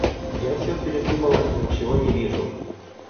Я всё передумала и ничего не вижу.